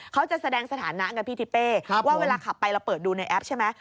เขาจะแสดงสถานะไงพี่ทิเป้ว่าเวลาขับไปเราเปิดดูในแอปใช่ไหม